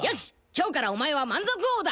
今日からお前は満足王だ！